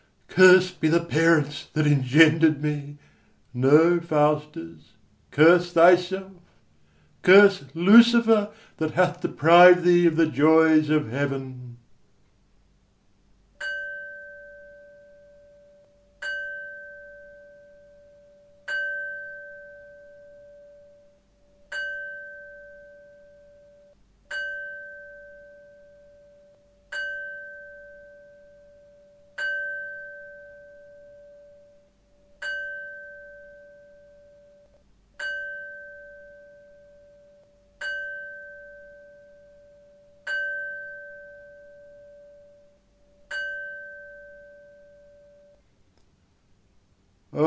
Curs'd be the parents that engender'd me! No, Faustus, curse thyself, curse Lucifer That hath depriv'd thee of the joys of heaven.